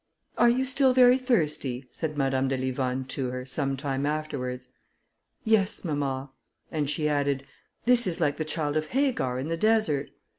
"Are you still very thirsty?" said Madame de Livonne to her, some time afterwards. "Yes, mamma;" and she added, "this is like the child of Hagar in the desert."